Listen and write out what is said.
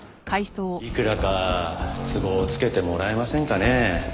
いくらか都合つけてもらえませんかね？